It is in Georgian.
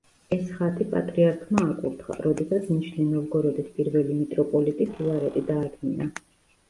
ეს ხატი პატრიარქმა აკურთხა, როდესაც ნიჟნი-ნოვგოროდში პირველი მიტროპოლიტი ფილარეტი დაადგინა.